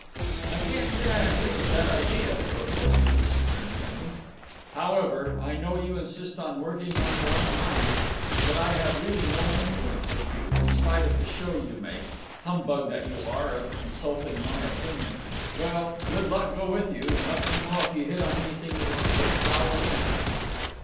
"I can't say I agree with that idea," protested the superintendent. "However, I know you insist on working on your own lines, and that I have really no influence with you, in spite of the show you make, humbug that you are! of consulting my opinion. Well, good luck go with you; and let me know if you hit on anything that escapes our men."